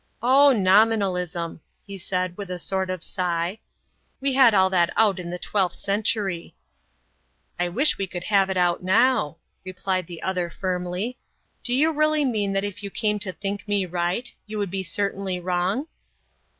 "Oh, Nominalism," he said, with a sort of sigh, "we had all that out in the twelfth century." "I wish we could have it out now," replied the other, firmly. "Do you really mean that if you came to think me right, you would be certainly wrong?"